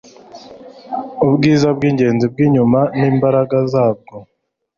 Ubwiza bwingenzi bwibyuma nimbaraga zabwo.